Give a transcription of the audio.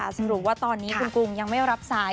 สรุปว่าตอนนี้คุณกรุงยังไม่รับสาย